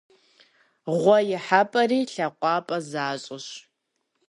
Гъуэ ихьэпӀэри лъакъуапӀэ защӀэщ.